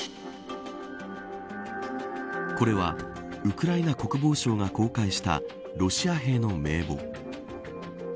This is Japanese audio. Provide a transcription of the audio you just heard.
これはウクライナ国防省が公開したロシア兵の名簿。